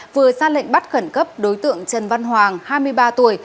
vừa ra lệnh bắt khẩn cấp đối tượng trần văn hoàng hai mươi ba tuổi